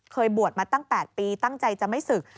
เคยบวชมาตั้ง๘ปีตั้งใจจะไม่ศึก